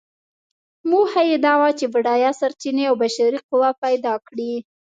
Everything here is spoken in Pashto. موخه یې دا وه چې بډایه سرچینې او بشري قوه پیدا کړي.